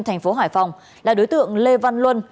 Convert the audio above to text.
tp hải phòng là đối tượng lê văn luân